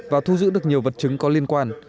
và thu giữ được nhiều vật chứng có liên quan